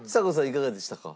いかがでしたか？